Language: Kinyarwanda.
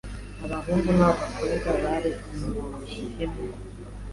abahungu n’abakobwa bari umunsimwe